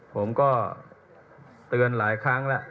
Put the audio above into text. ผมก็เตือนหลายครั้งแล้ว